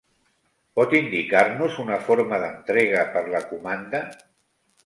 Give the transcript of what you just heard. Pot indicar-nos una forma d'entrega per la comanda?